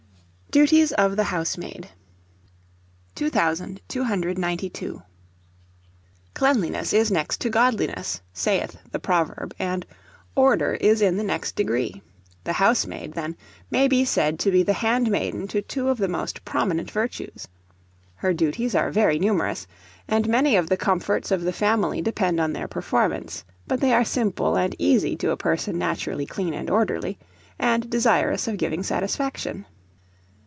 DUTIES OF THE HOUSEMAID. 2292. "Cleanliness is next to godliness," saith the proverb, and "order" is in the next degree; the housemaid, then, may be said to be the handmaiden to two of the most prominent virtues. Her duties are very numerous, and many of the comforts of the family depend on their performance; but they are simple and easy to a person naturally clean and orderly, and desirous of giving satisfaction.